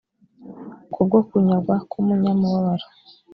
ku bwo kunyagwa k’ umunyamubabaro